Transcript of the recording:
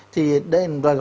thì rồi gọi là